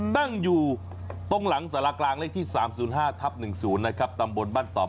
ตั้งอยู่ตรงหลังสารกลางเลข๓๐๕๑๐ตำบลบ้านต่อ